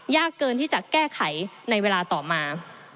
ยากเกินที่จะแก้ไขในเวลาต่อมา